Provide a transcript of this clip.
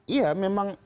iya memang faktornya